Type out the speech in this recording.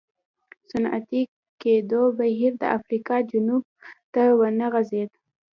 صنعتي کېدو بهیر د افریقا جنوب ته ونه غځېد.